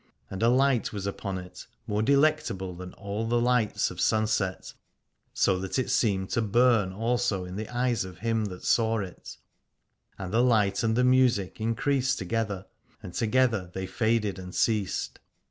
And a light was upon it more delectable than all the lights of sunset, so that it seemed to burn also in the eyes of him that saw it : and the light and the music increased together, and together they faded and ceased.